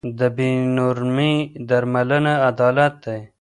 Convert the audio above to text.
د بې نورمۍ درملنه عدالت دی.